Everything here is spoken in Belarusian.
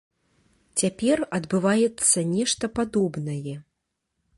Цяпер адбываецца нешта падобнае.